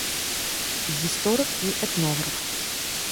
І гісторык, і этнограф.